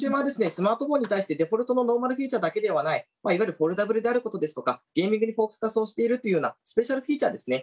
スマートフォンに対してデフォルトのノーマルフィーチャーだけではないいわゆるフォルダブルであることですとかゲーミングにフォーカスをしているというようなスペシャルフィーチャーでですね